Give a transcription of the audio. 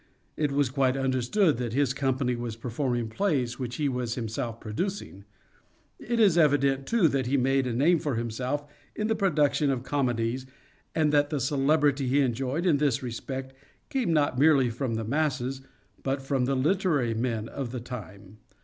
It was quite understood that his company was performing plays which he was himself producing. It is evident, 10 146 V SHAKESPEARE " IDENTIFIED too, that he made a name for himself in the production of comedies and that the celebrity he enjoyed in this respect came not merely from the masses, but from the literary men of the time.